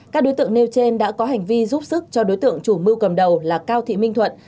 các đối tượng nêu trên đã có hành vi giúp sức cho đối tượng chủ mưu cầm đầu là cao thị minh thuận